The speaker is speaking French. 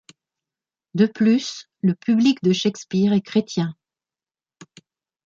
De plus, le public de Shakespeare est chrétien.